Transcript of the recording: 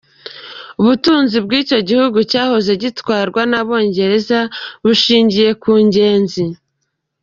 Ubutunzi bw’ico gihugu cahoze gitwarwa n’abongereza bushimikiye ku ngenzi.